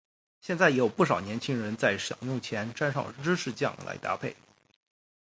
现在也有不少年轻人在享用前沾上芝士酱来搭配。